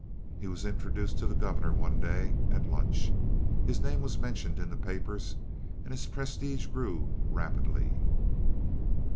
He was introduced to the governor one day at lunch. His name was mentioned in the papers, and his prestige grew rapidly.